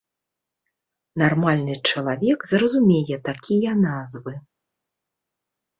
Нармальны чалавек зразумее такія назвы.